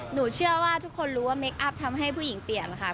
หนูเชื่อว่าทุกคนรู้ว่าเคคอัพทำให้ผู้หญิงเปลี่ยนค่ะ